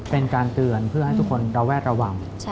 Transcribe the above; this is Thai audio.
เป็นการเตือนเพื่อให้ทุกคนระแวดระวัง